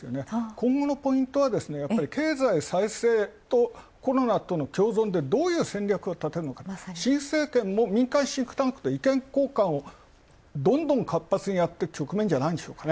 今後のポイントは経済再生とコロナとの共存でどういう戦略をたてるのか新政権も民間シンクタンクとどんどん活発にして局面なんじゃないでしょうかね。